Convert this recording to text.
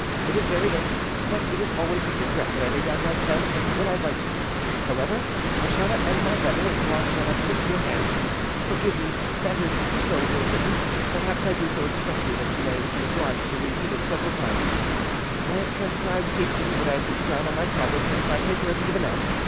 It is very late; but it is always with regret that I lay down my pen when I write to you; however, I shall not end my letter until I shall have kissed your hands. Forgive me that it is so ill written: perhaps I do so expressly that you may be obliged to re read it several times: I have transcribed hastily what I had written down on my tablets, and my paper has given out.